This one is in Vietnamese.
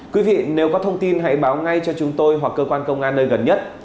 quý vị nếu có thông tin hãy báo ngay cho chúng tôi hoặc cơ quan công an nơi gần nhất